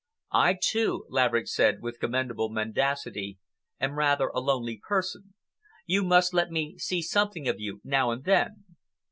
"I, too," Laverick said, with commendable mendacity, "am rather a lonely person. You must let me see something of you now and then."